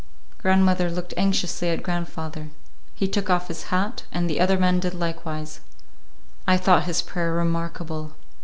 Grandmother looked anxiously at grandfather. He took off his hat, and the other men did likewise. I thought his prayer remarkable.